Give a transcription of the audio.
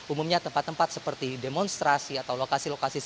umumnya tempat tempat seperti demonstrasi atau lokasi lokasi